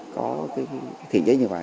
có thiện chế như vậy